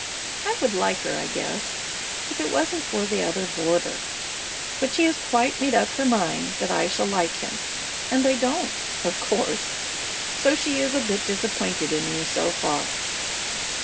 I would like her, I guess, if it wasn't for the other boarder; but she has quite made up her mind that I shall like him, and I don't, of course, so she is a bit disappointed in me so far.